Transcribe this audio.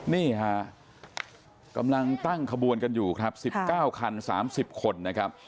นี่ฮะกำลังตั้งขบวนกันอยู่ครับ๑๙คัน๓๐คนนะครับ